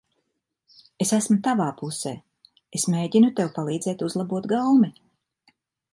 Es esmu tavā pusē. Es mēģinu tev palīdzēt uzlabot gaumi.